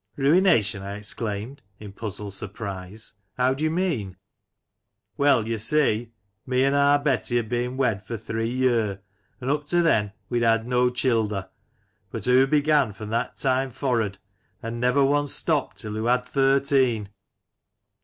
"Ruination!" 1 exclaimed in puzzled surprise, " how do you mean ?"" Well, yo' see, me and our Betty had been wed for three yer, and up to then we'd had no childer, but hoo began fro' that time forrud and never once stopped till hoo had thirteen